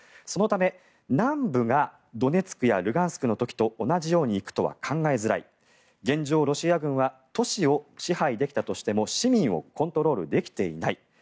そのため南部がドネツクやルガンスクの時と同じようにいくとは考えづらい現状、ロシア軍は都市を支配できたとしても市民をコントロールできていない。